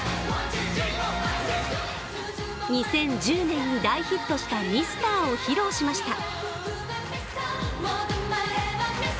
２０１０年に大ヒットした「ミスター」を披露しました。